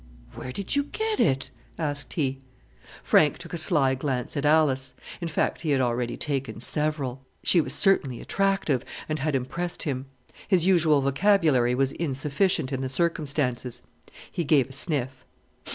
"Where did you get it?" asked he. Frank took a sly glance at Alice in fact, he had already taken several. She was certainly attractive, and had impressed him. His usual vocabulary was insufficient in the circumstances. He gave a sniff.